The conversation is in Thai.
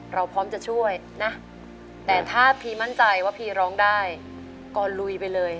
เราพร้อมจะช่วยนะแต่ถ้าพีมั่นใจว่าพีร้องได้ก็ลุยไปเลย